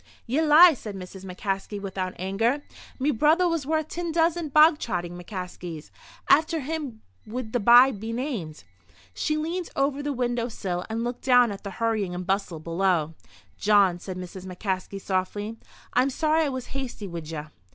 "Ye lie!" said Mrs. McCaskey, without anger. "Me brother was worth tin dozen bog trotting McCaskeys. After him would the bye be named." She leaned over the window sill and looked down at the hurrying and bustle below. "Jawn," said Mrs. McCaskey, softly, "I'm sorry I was hasty wid ye."